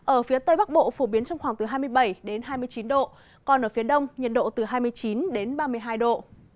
ở phía tây bắc bộ phổ biến trong khoảng từ hai mươi bảy đến hai mươi chín độ còn ở phía đông nhiệt độ từ hai mươi chín ba mươi hai độ